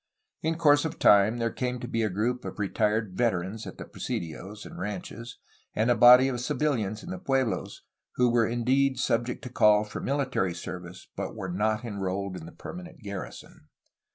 In course of time there came to be a group of retired veterans at the presidios and ranches and a body of civilians in the pueblos who were indeed subject to call for military service, but were not enrolled in the permanent garrison.